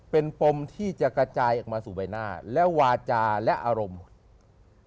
เป็นปมที่จะกระจายออกมาสู่ใบหน้าและวาจาและอารมณ์หมด